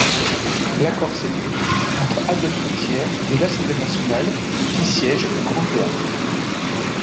L'accord s'effectue entre Adolphe Thiers et l'Assemblée nationale, qui siège au Grand Théâtre.